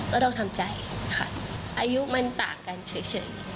ก็ต้องทำใจค่ะอายุมันต่างกันเฉย